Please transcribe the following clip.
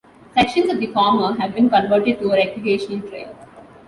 Sections of the former have been converted to a recreational trail.